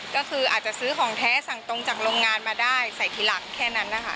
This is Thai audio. ก็คืออาจจะซื้อของแท้สั่งตรงจากโรงงานมาได้ใส่ทีหลังแค่นั้นนะคะ